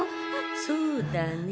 そうだね。